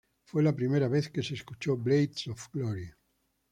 Fue la primera vez que se escuchó "Blaze of Glory".